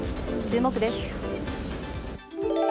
注目です。